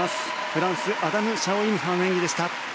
フランスアダム・シャオ・イム・ファの演技でした。